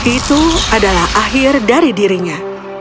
isu adalah akhir dari dirinya